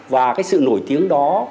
và cái sự nổi tiếng đó